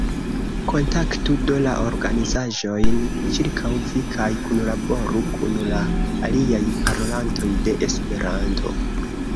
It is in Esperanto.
Kontaktu, do, la organizaĵojn ĉirkaŭ vi kaj kunlaboru kun la aliaj parolantoj de Esperanto.